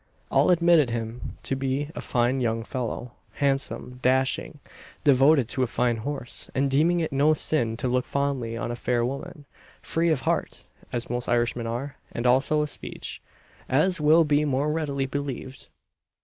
All admitted him to be a fine young fellow handsome, dashing, devoted to a fine horse, and deeming it no sin to look fondly on a fair woman free of heart, as most Irishmen are, and also of speech, as will be more readily believed.